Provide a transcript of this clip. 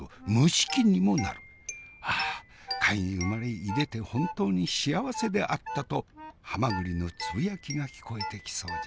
ああ貝に生まれいでて本当に幸せであったとはまぐりのつぶやきが聞こえてきそうじゃ。